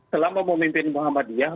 selama memimpin muhammadiyah